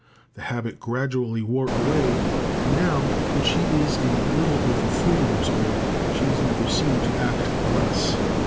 The habit gradually wore away, and now, when she is a little over four years old, she is never seen to act thus.